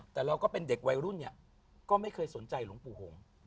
แต่เราก็เป็นเด็กวัยรุ่นเนี่ยก็ไม่เคยสนใจหลวงปู่หงษ์